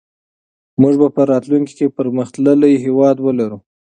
موږ به راتلونکي کې پرمختللی هېواد ولرو.